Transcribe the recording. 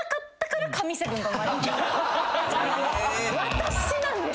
私なんです。